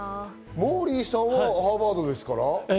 モーリーさんはハーバードですから。